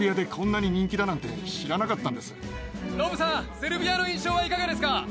セルビアの印象はいかがですか？